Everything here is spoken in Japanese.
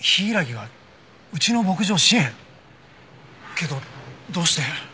けどどうして？